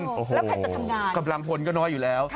แล้วใครจะทำงานกำลังพลก็น้อยอยู่แล้ว